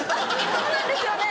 そうなんですよね！